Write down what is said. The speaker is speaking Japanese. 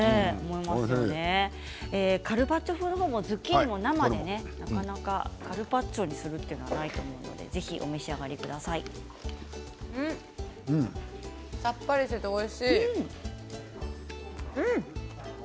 カルパッチョ風の方もズッキーニ、生でなかなかカルパッチョするのはないと思うのでさっぱりしていておいしい。